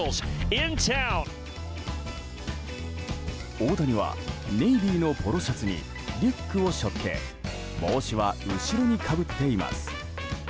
大谷はネイビーのポロシャツにリュックを背負って帽子は後ろにかぶっています。